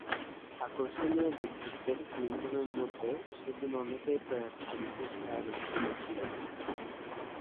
আকর্ষণীয় ব্যক্তিত্বের ক্লিনটনের মধ্যে সেদিন অনেকেই প্রয়াত কেনেডির ছায়া দেখতে পেয়েছিলেন।